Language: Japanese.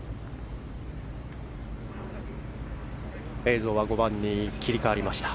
映像は５番に切り替わりました。